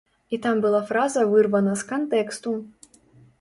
І там была фраза вырвана з кантэксту!